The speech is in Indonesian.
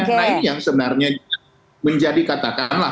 nah ini yang sebenarnya menjadi kata kata